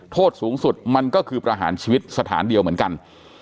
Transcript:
โทษสูงสุดมันก็คือประหารชีวิตสถานเดียวเหมือนกัน